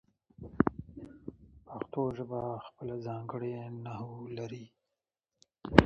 پښتو ژبه خپله ځانګړې نحو لري.